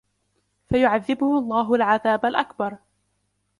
فَيُعَذِّبُهُ اللَّهُ الْعَذَابَ الْأَكْبَرَ